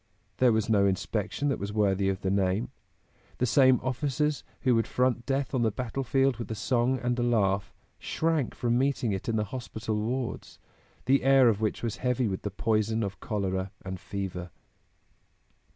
There was no inspection that was worthy of the name. The same officers who would front death on the battlefield with a song and a laugh, shrank from meeting it in the hospital wards, the air of which was heavy with the poison of cholera and fever.